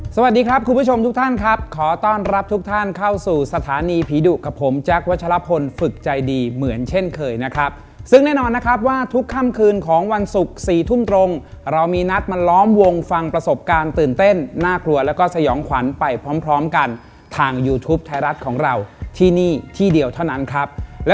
สวัสดีครับคุณผู้ชมทุกท่านครับขอต้อนรับทุกท่านเข้าสู่สถานีผีดุกับผมแจ๊ควัชลพลฝึกใจดีเหมือนเช่นเคยนะครับซึ่งแน่นอนนะครับว่าทุกค่ำคืนของวันศุกร์๔ทุ่มตรงเรามีนัดมาล้อมวงฟังประสบการณ์ตื่นเต้นน่ากลัวแล้วก็สยองขวัญไปพร้อมพร้อมกันทางยูทูปไทยรัฐของเราที่นี่ที่เดียวเท่านั้นครับ